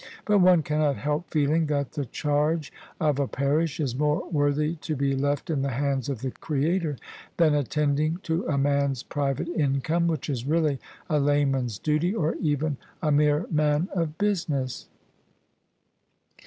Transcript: But one cannot help feeling that the charge of a parish is more worthy to be left in the Hands of the Creator than attending to a man's private income, which is really a layman's duty, or even a mere man of business."